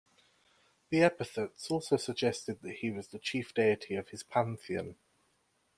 The epithets also suggest that he was the chief deity of his pantheon.